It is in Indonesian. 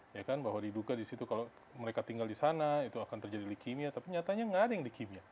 ya kan bahwa diduga di situ kalau mereka tinggal di sana itu akan terjadi leukemia tapi nyatanya nggak ada yang di kimia